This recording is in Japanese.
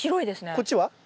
こっちは？